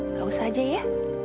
nggak usah aja ya